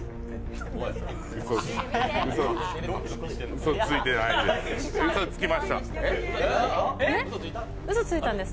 うそついてないですか？